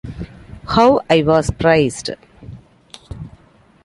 How I was praised!